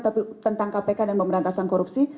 tapi tentang kpk dan pemberantasan korupsi